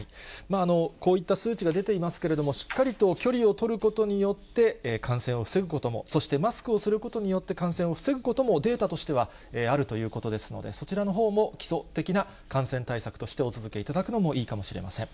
こういった数値が出ていますけれども、しっかりと距離を取ることによって、感染を防ぐことも、そしてマスクをすることによって、感染を防ぐこともデータとしてはあるということですので、そちらのほうも基礎的な感染対策としてお続けいただくのもいいかもしれません。